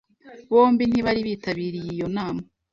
Bombi ntibari bitabiriye iyo nama.